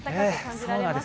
そうなんです。